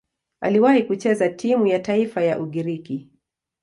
Aliwahi kucheza timu ya taifa ya Ugiriki.